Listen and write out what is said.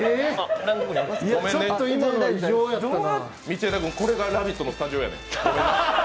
道枝君、これが「ラヴィット！」のスタジオや。